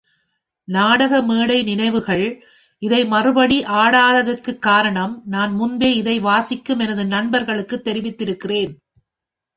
நாடக மேடை நினைவுகள் இதை மறுபடி ஆடாததற்குக் காரணம், நான் முன்பே இதை வாசிக்கும் எனது நண்பர்களுக்குத் தெரிவித்திருக்கிறேன்.